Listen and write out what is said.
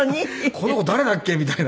この子誰だっけ？みたいな。